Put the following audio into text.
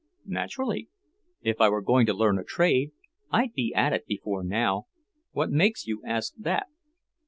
"Naturally. If I were going to learn a trade, I'd be at it before now. What makes you ask that?"